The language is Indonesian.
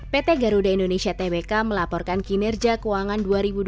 pt garuda indonesia tbk melaporkan kinerja keuangan dua ribu dua puluh